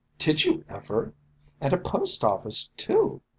"Did you ever? And a post office, too